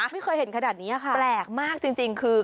ไม่เคยเห็นขนาดนี้ค่ะแปลกมากจริงคือ